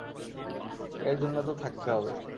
এর জন্য তো থাকতে হবে।